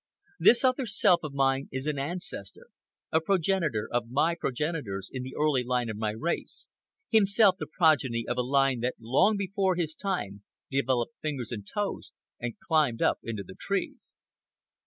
This other self of mine is an ancestor, a progenitor of my progenitors in the early line of my race, himself the progeny of a line that long before his time developed fingers and toes and climbed up into the trees.